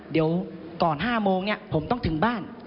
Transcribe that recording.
เดี๋ยวก่อน๕โมงผมต้องถึงบ้าน